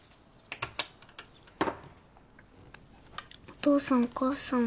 お父さんお母さん。